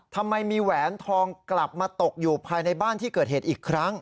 ทำไมมีแหวนทองกลับมาตกอยู่ภายในบ้านที่เกิดเหตุอีกครั้ง